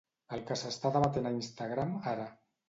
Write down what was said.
El que s'està debatent a Instagram ara.